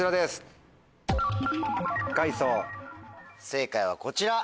正解はこちら。